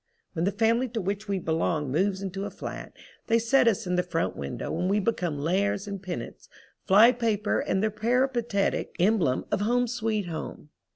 When the family to which we belong moves into a flat they set us in the front window and we become lares and penates, fly paper and the peripatetic emblem of "Home Sweet Home."